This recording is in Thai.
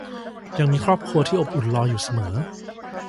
ยังมีครอบครัวที่อบอุ่นรออยู่เสมอ